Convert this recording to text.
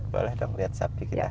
boleh dong lihat sapi kita